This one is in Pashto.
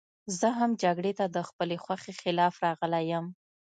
زه هم جګړې ته د خپلې خوښې خلاف راغلی یم